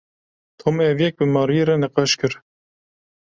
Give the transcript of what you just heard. Tom ev yek bi Maryê re nîqaş kir.